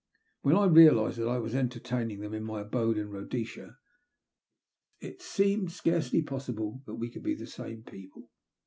When I realized that I was entertaining them in my abode in Bhodesia, it seemed scarcely possible that we CO old be the same people.